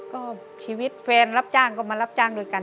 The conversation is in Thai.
ก็ชีวิตแฟนรับจ้างก็มารับจ้างด้วยกัน